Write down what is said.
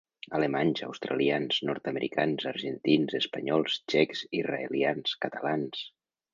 Alemanys, australians, nord-americans, argentins, espanyols, txecs, israelians, catalans...